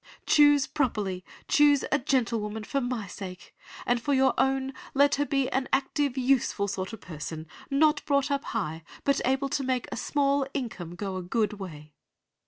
Choose properly, choose a gentlewoman for my sake, and for your own; let her be an active useful sort of person, not brought up high, but able to make a small income go a good way.